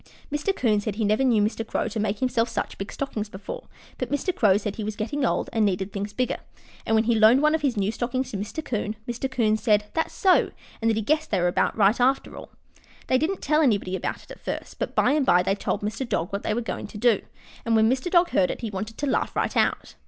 Mr. 'Coon said he never knew Mr. Crow to make himself such big stockings before, but Mr. Crow said he was getting old and needed things bigger, and when he loaned one of his new stockings to Mr. 'Coon, Mr. 'Coon said, "That's so," and that he guessed they were about right after all. They didn't tell anybody about it at first, but by and by they told Mr. Dog what they were going to do, and when Mr. Dog heard it he wanted to laugh right out.